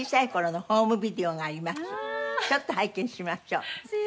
皆さんのちょっと拝見しましょう。